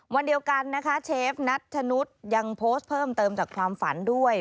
วันเดียวกันนะคะเชฟนัทชนุษย์ยังโพสต์เพิ่มเติมจากความฝันด้วย